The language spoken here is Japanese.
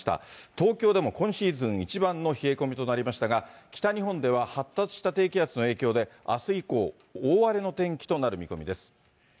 東京でも今シーズン一番の冷え込みとなりましたが、北日本では発達した低気圧の影響で、あす以降、大荒れの天気となる見込みです。